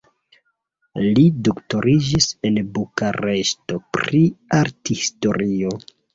Li doktoriĝis en Bukareŝto pri arthistorio.